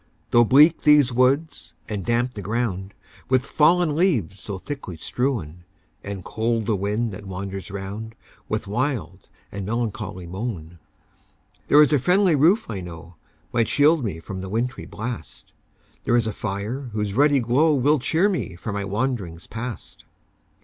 Though bleak these woods, and damp the ground With fallen leaves so thickly strown, And cold the wind that wanders round With wild and melancholy moan; There IS a friendly roof, I know, Might shield me from the wintry blast; There is a fire, whose ruddy glow Will cheer me for my wanderings past.